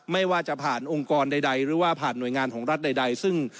ไม่ว่าจะผ่านองค์กรใดหรือว่าผ่านหน่วยงานของรัฐใดซึ่ง